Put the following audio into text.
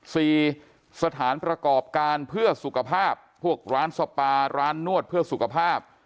สถานประกอบการเพื่อสุขภาพพวกร้านสปาร้านนวดเพื่อสุขภาพ